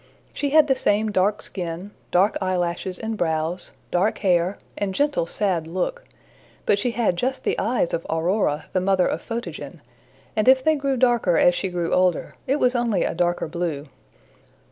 She had the same dark skin, dark eyelashes and brows, dark hair, and gentle sad look; but she had just the eyes of Aurora, the mother of Photogen, and if they grew darker as she grew older, it was only a darker blue.